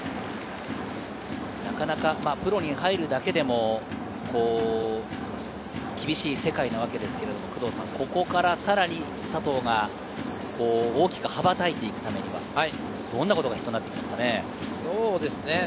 なかなかプロに入るだけでも厳しい世界なわけですけれど、ここからさらに佐藤が大きく羽ばたいていくためにはどんなことが必要になってきますか？